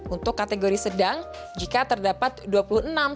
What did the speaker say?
untuk kategori sedang jinak atau bintik ruam